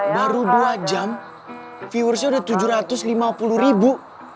baru dua jam viewersnya udah tujuh ratus lima puluh ribu